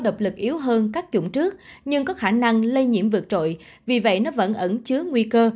độc lực yếu hơn các chủng trước nhưng có khả năng lây nhiễm vượt trội vì vậy nó vẫn ẩn chứa nguy cơ